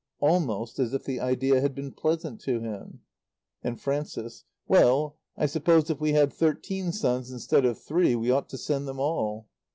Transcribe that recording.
Almost as if the idea had been pleasant to him. And Frances: "Well, I suppose if we had thirteen sons instead of three, we ought to send them all."